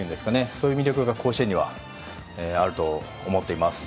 そういう魅力が甲子園にはあると思っています。